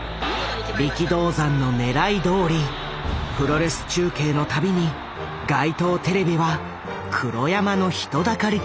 力道山のねらいどおりプロレス中継の度に街頭テレビは黒山の人だかりとなった。